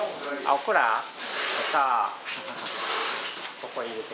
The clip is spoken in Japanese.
ここ入れて。